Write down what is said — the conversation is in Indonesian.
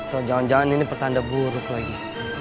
atau jangan jangan ini pertanda buruk lagi